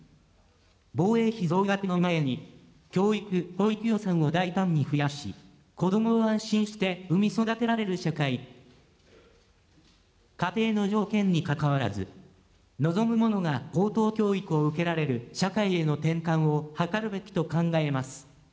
防衛費増額の前に、教育・保育予算を大胆に増やし、子どもを安心して産み育てられる社会、家庭の条件にかかわらず、望む者が高等教育を受けられる社会への転換を図るべきと考えます。